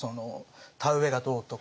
田植えがどうとか。